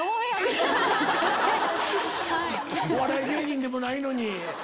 お笑い芸人でもないのに！